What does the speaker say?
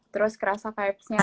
terus kerasa vibes nya